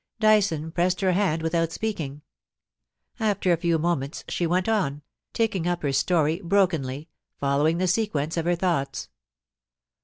Dyson pressed her hand without speaking. After a fe* moments she weni on, taking up her story brokenly, follow ing the sequence of her thoughts.